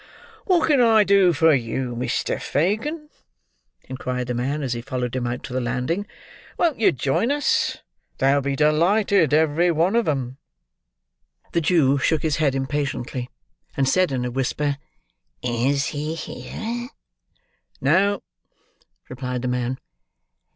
"What can I do for you, Mr. Fagin?" inquired the man, as he followed him out to the landing. "Won't you join us? They'll be delighted, every one of 'em." The Jew shook his head impatiently, and said in a whisper, "Is he here?" "No," replied the man.